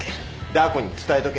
ダー子に伝えとけ